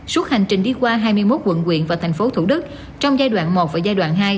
suốt hành trình đi qua hai mươi một quận quyện và thành phố thủ đức trong giai đoạn một và giai đoạn hai